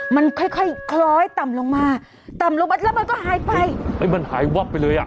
มันค่อยค่อยคล้อยต่ำลงมาต่ำลงมาแล้วมันก็หายไปเอ้ยมันหายวับไปเลยอ่ะ